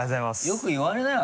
よく言われない？